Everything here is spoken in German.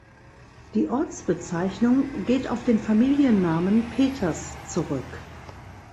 Die Ortsbezeichnung geht auf den Familiennamen "Peters" zurück.